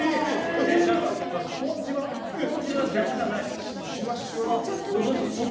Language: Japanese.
スポンジは邪魔じゃないの？